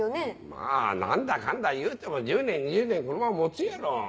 まぁ何だかんだいうても１０年２０年このまま持つやろ。